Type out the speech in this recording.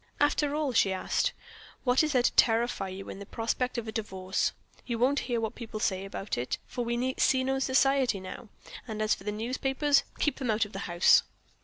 "After all," she asked, "what is there to terrify you in the prospect of a Divorce? You won't hear what people say about it for we see no society now. And, as for the newspapers, keep them out of the house."